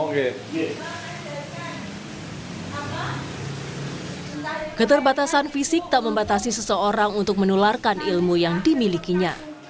keterbatasan fisik tak membatasi seseorang untuk menularkan ilmu yang dimilikinya